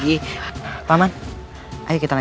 itu dia ayo kejar dia